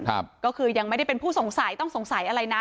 ก็คือยังไม่ได้เป็นผู้สงสัยต้องสงสัยอะไรนะ